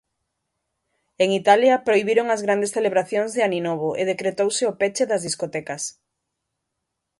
En Italia prohibiron as grandes celebracións de Aninovo e decretouse o peche das discotecas.